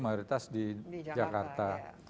mayoritas di jakarta